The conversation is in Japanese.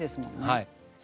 はい。